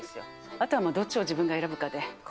あとはどっちを自分が選ぶかによって。